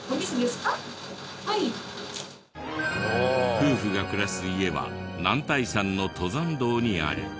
夫婦が暮らす家は男体山の登山道にあり。